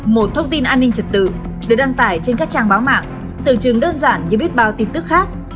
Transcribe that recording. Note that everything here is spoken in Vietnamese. một thông tin an ninh trật tự được đăng tải trên các trang báo mạng tưởng chừng đơn giản như biết bao tin tức khác